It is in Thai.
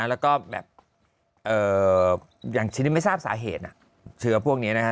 แล้วก็แบบอย่างชิ้นนี้ไม่ทราบสาเหตุเชื้อพวกนี้นะฮะ